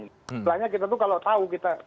istilahnya kita tuh kalau tahu kita